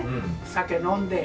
酒飲んで。